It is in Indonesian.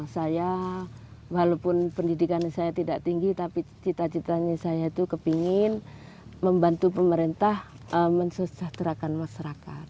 saya walaupun pendidikan saya tidak tinggi tapi cita citanya saya itu kepingin membantu pemerintah mensejahterakan masyarakat